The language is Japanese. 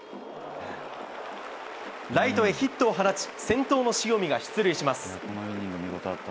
ライトへヒットを放ち、先頭の塩見が出塁します。